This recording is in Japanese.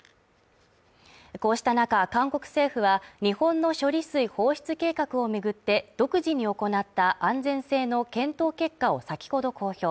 こうした中、韓国政府は日本の処理水放出計画を巡って、独自に行った安全性の検討結果を先ほど公表。